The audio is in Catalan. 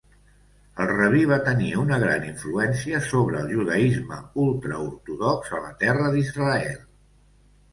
El rabí va tenir una gran influència sobre el judaisme ultraortodox a la Terra d'Israel.